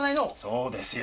そうですよ！